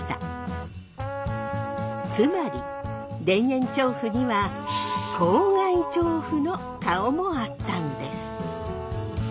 つまり田園調布にはの顔もあったんです。